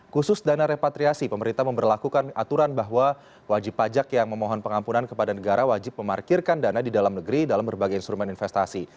khusus dana repatriasi pemerintah memperlakukan aturan bahwa wajib pajak yang memohon pengampunan kepada negara wajib memarkirkan dana di dalam negeri dalam berbagai instrumen investasi